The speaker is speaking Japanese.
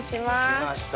きました